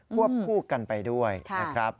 วบคู่กันไปด้วยนะครับ